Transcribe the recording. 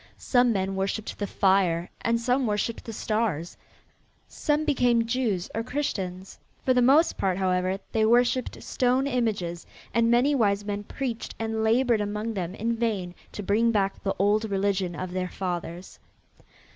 Some men worshipped the fire and some worshipped the stars. Some became Jews or Christians. For the most part, however, they worshipped stone images and many wise men preached and labored among them in vain to bring back the old religion of their fathers.